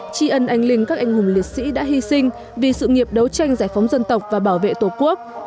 tri ân anh linh các anh hùng liệt sĩ đã hy sinh vì sự nghiệp đấu tranh giải phóng dân tộc và bảo vệ tổ quốc